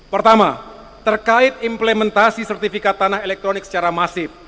pertama terkait implementasi sertifikat tanah elektronik secara masif